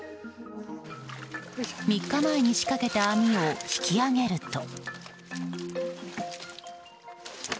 ３日前に仕掛けた網を引き上げると。